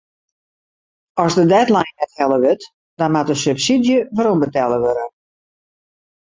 As de deadline net helle wurdt dan moat de subsydzje werombetelle wurde.